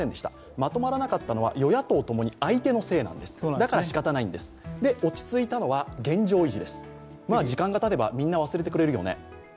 まとまらなかったのは与野党共に相手のせいなんです、だからしかたないんです、落ち着いたのは現状維持です、まあ時間がたてばみんな忘れてくれますよねと。